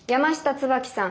椿さん